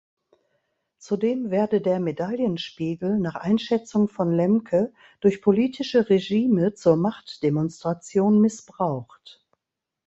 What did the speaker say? Zudem werde der Medaillenspiegel nach Einschätzung von Lemke durch politische Regime zur Machtdemonstration missbraucht.